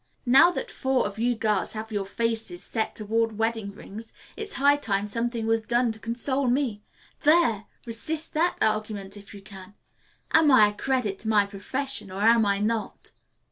Now that four of you girls have your faces set toward wedding rings, it's high time something was done to console me. There! Resist that argument if you can. Am I a credit to my profession, or am I not?"